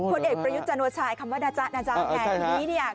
โอ้คนเอกประยุทธ์จันทร์ว่าชายคำว่าน่าจะน่าจะแกนี้เนี้ย